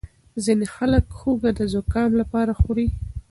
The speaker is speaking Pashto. ځینې خلک هوږه د زکام لپاره خوري.